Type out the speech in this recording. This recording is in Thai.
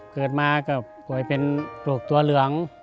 เกิดมาก็ป่วยเป็นโรคตัวเหลือง